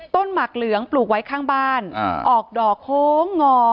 หมักเหลืองปลูกไว้ข้างบ้านออกดอกโค้งงอ